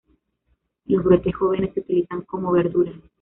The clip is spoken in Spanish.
Los brotes jóvenes se utilizan como verdura.